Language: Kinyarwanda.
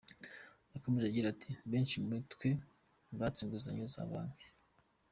Yakomeje agira ati “Benshi muri twe batse inguzanyo za banki.